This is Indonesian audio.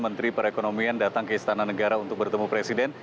menteri perekonomian datang ke istana negara untuk bertemu presiden